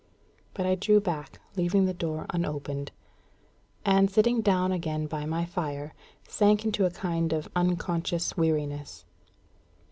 But I drew back, leaving the door unopened; and, sitting down again by my fire, sank into a kind of unconscious weariness.